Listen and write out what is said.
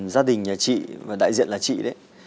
gia đình nhà chị và đại diện là chị đấy